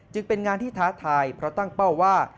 จึงเป็นงานที่ท้าทายเพราะตั้งเป้าว่า